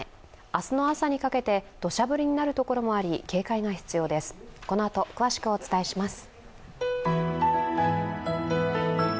明日の朝にかけてどしゃ降りになる所もあり警戒が必要です。